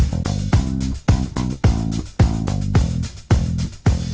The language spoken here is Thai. โปรดติดตามตอนต่อไป